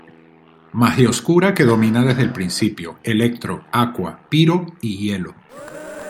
Magia oscura que domina desde el principio: Electro, Aqua, Piro y Hielo.